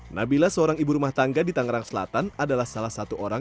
nabila seorang ibu rumah tangga di tangerang selatan adalah salah satu orang